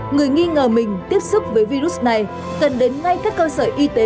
người nghi ngờ mình tiếp xúc với virus này cần đến ngay các cơ sở y tế